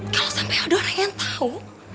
kalau sampai ada orang yang tahu